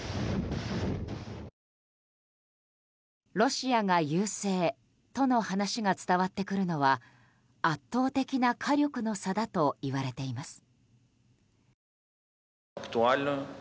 ロシアが優勢との話が伝わってくるのは圧倒的な火力の差だといわれています。